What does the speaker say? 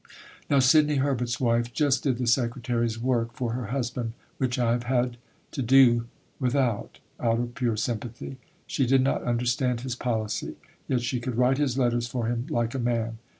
Now Sidney Herbert's wife just did the Secretary's work for her husband (which I have had to do without) out of pure sympathy. She did not understand his policy. Yet she could write his letters for him "like a man."